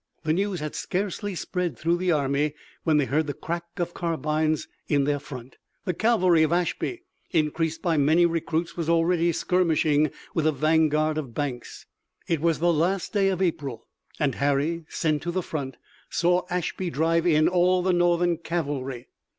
The news had scarcely spread through the army when they heard the crack of carbines in their front. The cavalry of Ashby, increased by many recruits, was already skirmishing with the vanguard of Banks. It was the last day of April and Harry, sent to the front, saw Ashby drive in all the Northern cavalry.